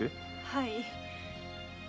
はい。